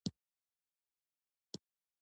کله چې د ټولو اتباعو لپاره مدني حقونه ورکول کېږي.